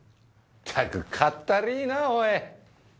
ったくかったりいなぁおい。